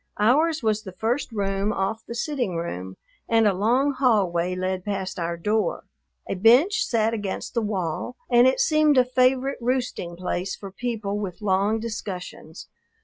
Ours was the first room off the sitting room, and a long hallway led past our door; a bench sat against the wall, and it seemed a favorite roosting place for people with long discussions.